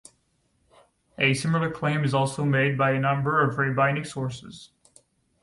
A similar claim is also made by a number of Rabbinic sources.